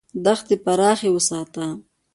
دښتې پراخې وساته.